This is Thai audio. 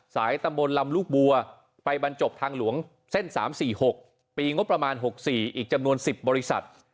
ตำบลลำลูกบัวไปบรรจบทางหลวงเส้น๓๔๖ปีงบประมาณ๖๔อีกจำนวน๑๐บริษัท